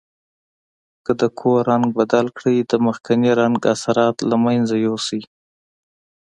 که د کور رنګ بدل کړئ د مخکني رنګ اثرات له منځه یوسئ.